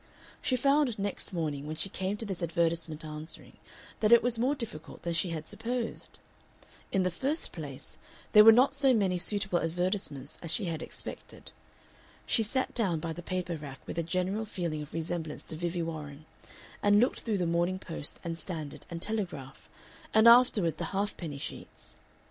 She found next morning, when she came to this advertisement answering, that it was more difficult than she had supposed. In the first place there were not so many suitable advertisements as she had expected. She sat down by the paper rack with a general feeling of resemblance to Vivie Warren, and looked through the Morning Post and Standard and Telegraph, and afterward the half penny sheets.